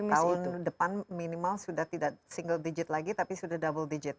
tahun depan minimal sudah tidak single digit lagi tapi sudah double digit